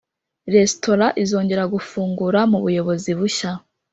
restaurant izongera gufungura mubuyobozi bushya.